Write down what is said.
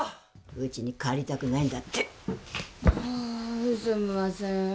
うちに帰りたくないんだってあすんません